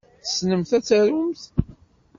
Tessnemt ad tarumt.